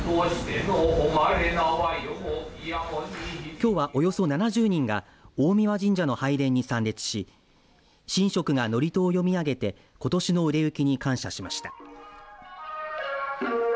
きょうはおよそ７０人が大神神社の拝殿に参列し神職が祝詞を読み上げてことしの売れ行きに感謝しました。